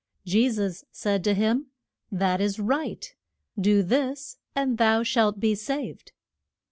Je sus said to him, That is right. Do this, and thou shalt be saved.